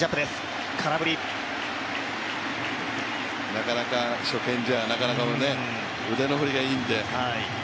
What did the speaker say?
なかなか初見じゃ、腕の振りがいいんで。